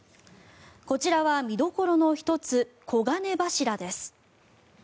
こちらは見どころの１つ黄金柱です。